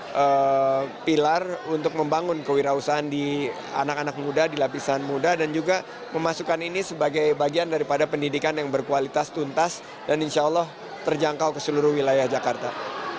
menjadi pilar untuk membangun kewirausahaan di anak anak muda di lapisan muda dan juga memasukkan ini sebagai bagian daripada pendidikan yang berkualitas tuntas dan insya allah terjangkau ke seluruh wilayah jakarta